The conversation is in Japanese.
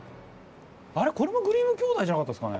あれこれもグリム兄弟じゃなかったっすかね？